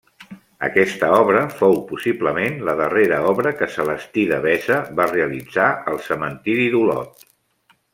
Aquesta obra fou possiblement la darrera obra que Celestí Devesa va realitzar al cementiri d'Olot.